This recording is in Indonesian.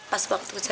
pas waktu saja